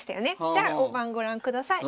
じゃあ大盤ご覧ください。